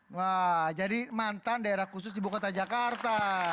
wah jadi mantan daerah khusus ibu kota jakarta